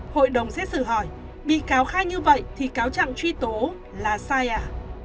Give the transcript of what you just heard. hội đồng xét xử hỏi bị cáo khai như vậy thì cáo trạng truy tố là sai à